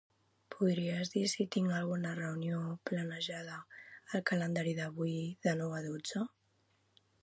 Podries dir si tinc alguna reunió planejada al calendari avui de nou a dotze?